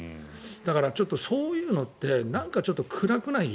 だからちょっとそういうのってなんか暗くない？